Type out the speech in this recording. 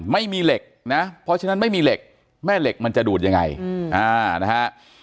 ไม่มีเหล็กนะเพราะฉะนั้นไม่มีเหล็กแม่เหล็กมันจะดูดยังไงนะฮะ